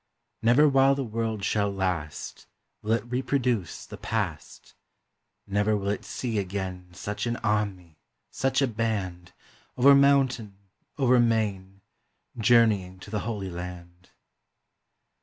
Never while the world shall last Will it reproduce the past; Nevfer will it see again Such an army, such a band. Over mountain, over main, Journeying to the Holy Land.